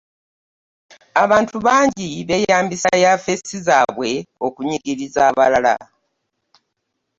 abantu bangi beeyambisa yaafeesi zaabwe okunyigiriza abalala.